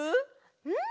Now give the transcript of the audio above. うん！